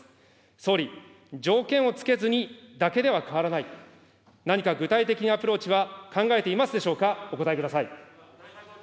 総理、条件を付けずに、だけでは変わらないと、何か具体的なアプローチは考えていますでしょうか、お答えください。